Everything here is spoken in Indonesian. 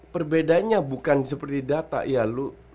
perbedaannya bukan seperti data ya lu